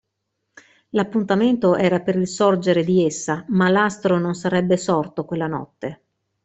L'appuntamento era per il sorgere di essa, ma l'astro non sarebbe sorto quella notte.